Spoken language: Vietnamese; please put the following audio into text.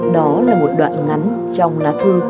đó là một đoạn ngắn trong lá thư